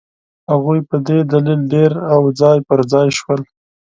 هغوی په دې دلیل ډېر او ځای پر ځای شول.